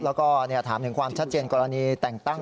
แล้วก็ถามถึงความชัดเจนกรณีแต่งตั้ง